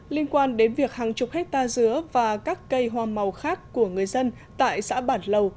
liên quan đến việc hàng chục hectare dứa và các cây hoa màu khác của người dân tại xã bản lầu